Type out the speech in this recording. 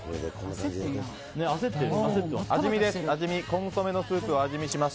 コンソメスープを味見です。